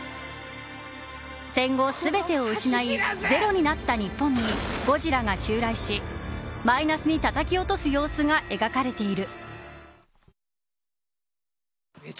戦後、全てを失いゼロになった日本にゴジラが襲来し、マイナスにたたき落とす様子が描かれている。